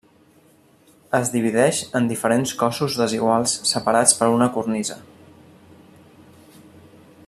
Es divideix en diferents cossos desiguals separats per una cornisa.